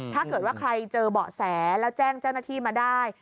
ถ้าเกิดว่าใครเจอเบาะแสแล้วแจ้งเจ้าหน้าที่มาได้